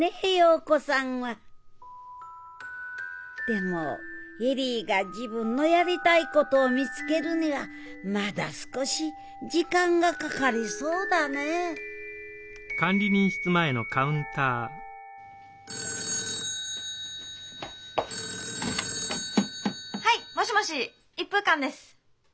でも恵里が自分のやりたいことを見つけるにはまだ少し時間がかかりそうだねぇ☎はいもしもし一風館です。